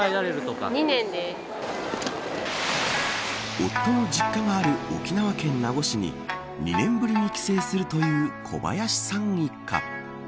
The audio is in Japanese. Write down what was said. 夫の実家がある沖縄県名護市に２年ぶりに帰省するという小林さん一家。